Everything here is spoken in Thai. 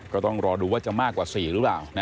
ก็ต้องรอดูว่าจะมากกว่า๔หรือเปล่า